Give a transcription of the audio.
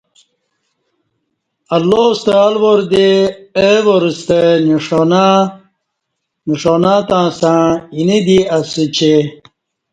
اللہ ستہ الواردےاو وار ستہ نݜانہ تاستݩع اینہ دی اسہ چہ